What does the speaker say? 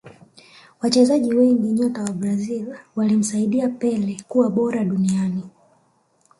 Wachezaji wengi nyota wa Brazil walimsaidia pele kuwa bora duniani